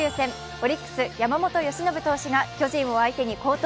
オリックス・山本由伸選手が巨人を相手に好投。